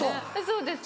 そうです。